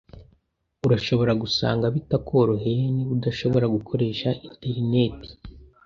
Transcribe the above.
Urashobora gusanga bitakoroheye niba udashobora gukoresha interineti.